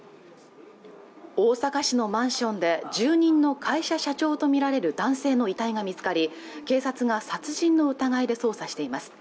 大阪市のマンションで住人の会社社長とみられる男性の遺体が見つかり警察が殺人の疑いで捜査しています